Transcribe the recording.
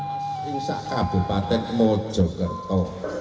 ini adalah kabupaten mojokerto